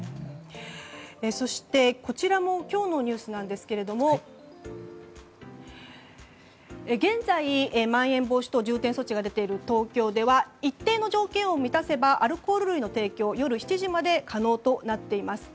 そして、こちらも今日のニュースなんですが現在、まん延防止等重点措置が出ている東京では一定の条件を満たせばアルコール類の提供が夜７時まで可能となっています。